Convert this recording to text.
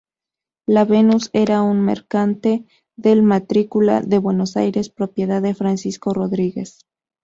La "Venus" era un mercante de matrícula de Buenos Aires propiedad de Francisco Rodríguez.